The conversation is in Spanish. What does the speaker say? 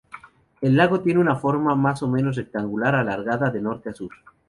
El lago tiene una forma más o menos rectangular, alargada de norte a sur.